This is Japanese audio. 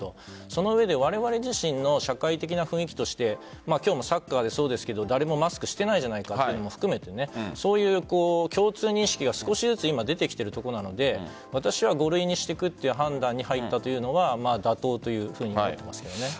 その上でわれわれ自身の社会的な雰囲気として今日もサッカーでそうですが誰もマスクしてないじゃないかというのも含めてそういう共通認識が少しずつ出てきているところなので私は５類にしていく判断に入ったというのは妥当というふうに思っています。